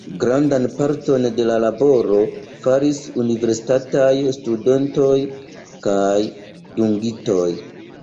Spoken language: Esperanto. Grandan parton de la laboro faris universitataj studentoj kaj dungitoj.